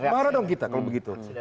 marah dong kita kalau begitu